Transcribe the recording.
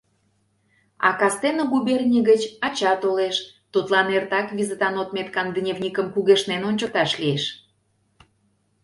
А кастене губерний гыч ача толеш, тудлан эртак визытан отметкан дневникым кугешнен ончыкташ лиеш.